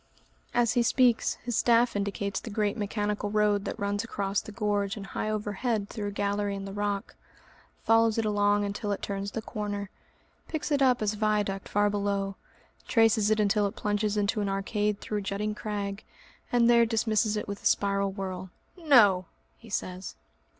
As he speaks, his staff indicates the great mechanical road that runs across the gorge and high overhead through a gallery in the rock, follows it along until it turns the corner, picks it up as a viaduct far below, traces it until it plunges into an arcade through a jutting crag, and there dismisses it with a spiral whirl. "No!" he says.